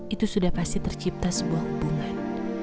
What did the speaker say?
itu sudah pasti tercipta sebuah hubungan